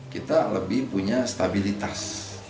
kita lebih punya stabilitas